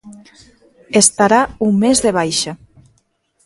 Estará un mes de baixa.